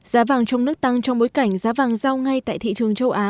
giá vàng trong nước tăng trong bối cảnh giá vàng giao ngay tại thị trường châu á